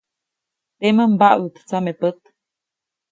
Temäʼ mbaʼduʼt tsamepät.